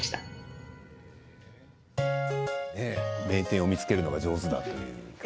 名店を見つけるのが上手だという。